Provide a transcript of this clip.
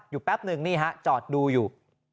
แป๊บนึงนี่ฮะจอดดูอยู่